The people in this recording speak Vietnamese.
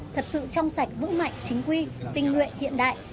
thật sự trong sạch vững mạnh chính quy tinh nguyện hiện đại